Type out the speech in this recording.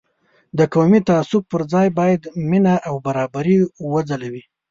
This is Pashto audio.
د قومي تعصب پر ځای باید مینه او برابري وځلوي.